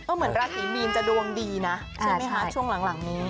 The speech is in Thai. เหมือนราศีมีนจะดวงดีนะใช่ไหมคะช่วงหลังนี้